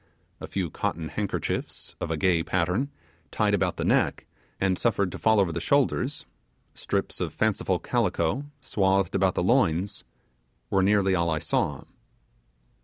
A few cotton handkerchiefs, of a gay pattern, tied about the neck, and suffered to fall over the shoulder; strips of fanciful calico, swathed about the loins, were nearly all I saw.